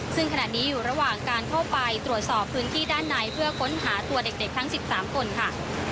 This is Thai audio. ซึ่งขณะนี้อยู่ระหว่างการเข้าไปตรวจสอบพื้นที่ด้านในเพื่อค้นหาตัวเด็กทั้ง๑๓คนค่ะ